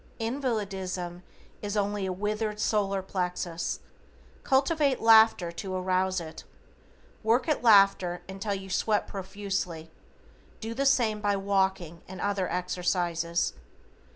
Invalidism is only a withered solar plexus. Cultivate laughter to arouse it, work at laughter until you sweat profusely, do the same by walking, and other exercises.